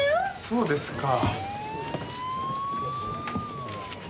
そうですか。